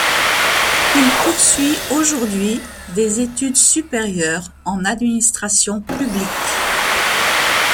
Il poursuit aujourd'hui des études supérieures en administration publique.